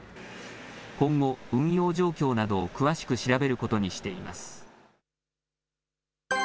今後、運用状況などを詳しく調べることにしています。